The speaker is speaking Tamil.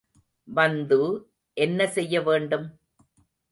வந்து, என்ன செய்ய வேண்டும்?